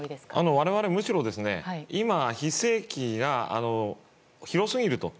我々むしろ今、非正規が広すぎると。